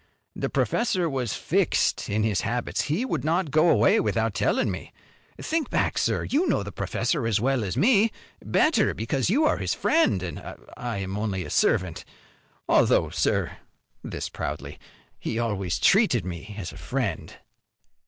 The professor was fixed in his habits. He would not go away without tellin' me. Think back, sir, you know the professor as well as me. Better, because you are his friend and I am only a servant. Although, sir," this proudly, "he always treated me as a friend."